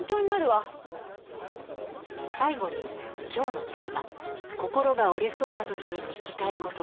最後に今日のテーマ「心が折れそうなときに聞きたい言葉」。